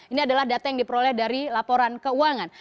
ini adalah data yang diperoleh dari laporan keuangan